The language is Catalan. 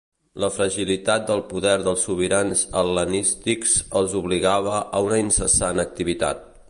La fragilitat del poder dels sobirans hel·lenístics els obligava a una incessant activitat.